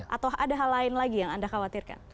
atau ada hal lain lagi yang anda khawatirkan